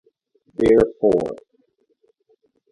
Therefore.